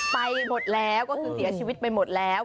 ไปหมดแล้วก็คือเสียชีวิตไปหมดแล้ว